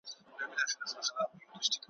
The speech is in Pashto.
د الله د کور زمری دی، زور دي دی پکښی پیدا کړي ,